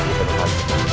kita akan mencari dia